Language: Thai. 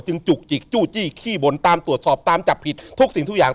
จุกจิกจู้จี้ขี้บ่นตามตรวจสอบตามจับผิดทุกสิ่งทุกอย่าง